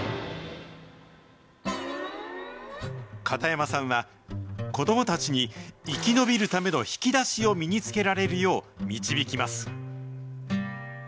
片山さんは、子どもたちに生き延びるための引き出しを身につけられるよう導きます。